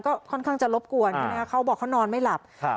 ก็ค่อนข้างจะรบกวนใช่ไหมคะเขาบอกเขานอนไม่หลับครับ